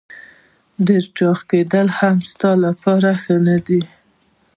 ډېر چاغ کېدل هم ستا لپاره ښه نه دي.